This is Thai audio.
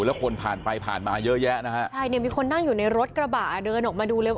แล้วคนผ่านไปผ่านมาเยอะแยะนะฮะใช่เนี่ยมีคนนั่งอยู่ในรถกระบะเดินออกมาดูเลยว่า